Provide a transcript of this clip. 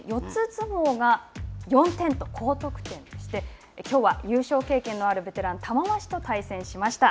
相撲が４点と高得点でして、きょうは優勝経験のあるベテラン玉鷲と対戦しました。